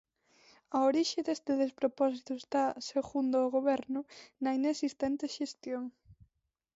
A orixe deste despropósito está, segundo o Goberno, na inexistente xestión.